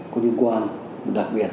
có liên quan đặc biệt